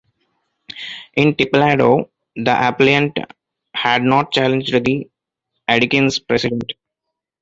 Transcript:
In "Tipaldo", the appellant had not challenged the "Adkins" precedent.